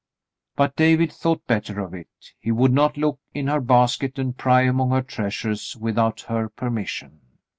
But David thought better of it. He would not look in her basket and pry among her treasures without her permission.